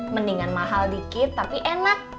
mendingan mahal dikit tapi enak